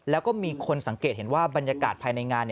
แล้วก็มีคนสังเกตเห็นว่าบรรยากาศภายในงาน